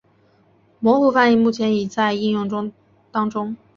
模糊翻译目前已在应用当中。